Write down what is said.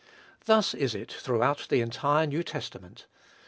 Thus is it throughout the entire New Testament.